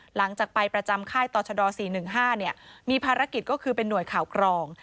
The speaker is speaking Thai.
หลังจากไปประจำค่ายต่อชด๔๑๕มีภารกิจก็คือเป็นหน่วยข่าวกรอง